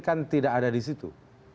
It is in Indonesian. kan tidak ada di situ